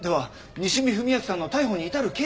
西見文明さんの逮捕に至る経緯だけでも。